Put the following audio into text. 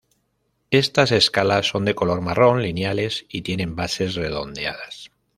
Estas escalas son de color marrón, lineales y tienen bases redondeadas.